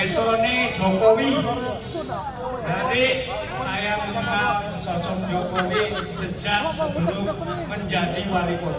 semua dia jahat sejarah sejarah